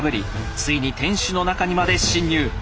ついに天守の中にまで侵入。